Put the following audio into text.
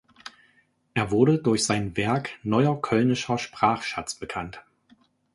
Er wurde durch sein Werk "Neuer kölnischer Sprachschatz" bekannt.